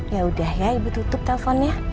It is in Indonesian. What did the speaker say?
yaudah ya ibu tutup teleponnya